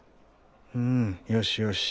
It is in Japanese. うんよしよし。